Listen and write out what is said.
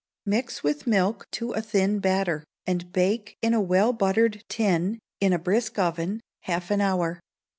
Mix with milk to a thin batter, and bake in a well buttered tin, in a brisk oven, half an hour.